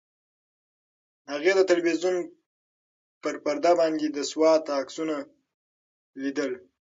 هغې د تلویزیون په پرده باندې د سوات عکسونه لیدل.